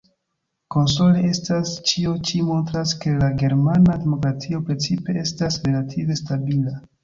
Konsole estas: ĉio ĉi montras, ke la germana demokratio principe estas relative stabila.